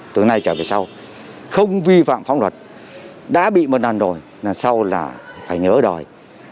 từ nay trở về sau không vi phạm phóng luật đã bị một lần rồi lần sau là phải nhớ đòi